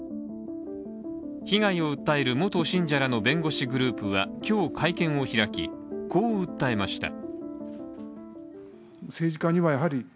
被害を訴える元信者らの弁護士グループは今日会見を開きこう訴えました。